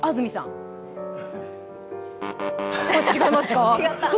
違いますか？